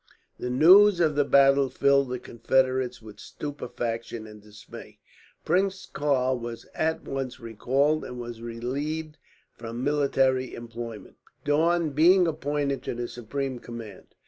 The news of the battle filled the Confederates with stupefaction and dismay. Prince Karl was at once recalled, and was relieved from military employment, Daun being appointed to the supreme command.